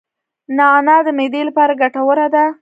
نعناع د معدې لپاره ګټوره ده